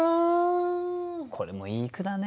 これもいい句だね。